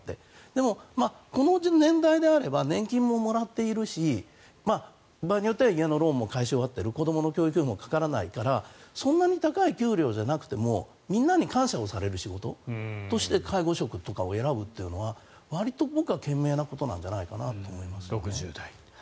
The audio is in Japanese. でも、この年代であれば年金ももらっているし場合によっては家のローンも返し終わっている子どもの教育費もかからないからそんなに高い給料じゃなくてもみんなに感謝をされる仕事として介護職とかを選ぶのは割と僕は賢明なことじゃないかなと６０代。